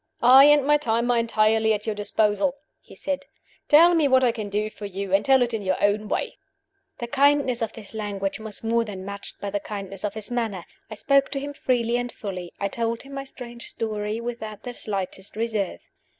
"I and my time are entirely at your disposal," he said. "Tell me what I can do for you and tell it in your own way." The kindness of this language was more than matched by the kindness of his manner. I spoke to him freely and fully I told him my strange story without the slightest reserve.